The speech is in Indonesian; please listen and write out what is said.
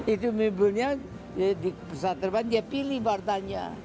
itu mimpunya di pesawat terbang dia pilih wartanya